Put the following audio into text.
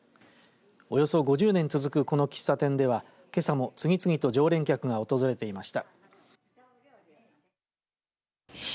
およそ５０年続くこの喫茶店ではけさも次々と常連客が訪れていました。